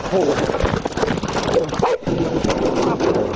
ครูกัดสบัติคร้าว